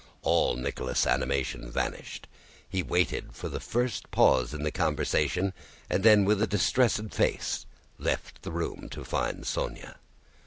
All Nicholas' animation vanished. He waited for the first pause in the conversation, and then with a distressed face left the room to find Sónya.